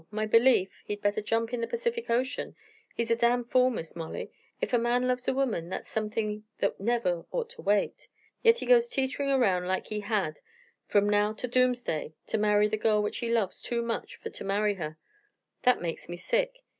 My belief, he'd better jump in the Percific Ocean. He's a damn fool, Miss Molly. Ef a man loves a womern, that's somethin' that never orto wait. Yit he goes teeterin' erroun' like he had from now ter doomsday ter marry the girl which he loves too much fer ter marry her. That makes me sick.